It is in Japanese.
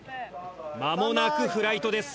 間もなくフライトです。